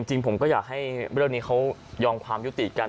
จริงผมก็อยากให้เรื่องนี้เขายอมความยุติกัน